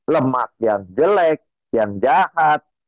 lemak yang jelek yang jahat